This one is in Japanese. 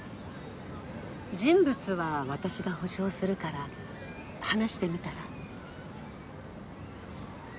人物は私が保証するから話してみたら？